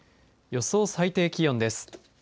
予想最低気温です。